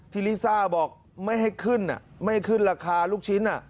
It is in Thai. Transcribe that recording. ที่ลีซ่าบอกไม่ให้ขึ้นอ่ะไม่ขึ้นราคาลูกชิ้นอ่ะ